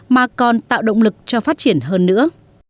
mà còn tạo động lực cho phát triển hơn nữa